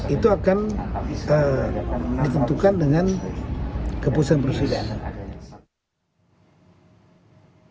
itu akan ditentukan dengan keputusan presiden